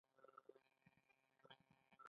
هر قوم پکې څه حق لري؟